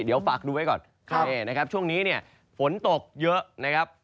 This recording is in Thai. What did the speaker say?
เดี๋ยวฝากดูไว้ก่อนช่วงนี้เนี่ยฝนตกเยอะนะครับ